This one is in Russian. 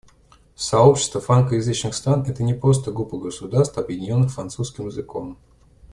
Сообщество франкоязычных стран — это не просто группа государств, объединенных французским языком.